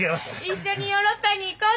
一緒にヨーロッパに行こうって。